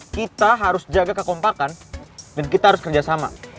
kita harus jaga kekompakan dan kita harus kerjasama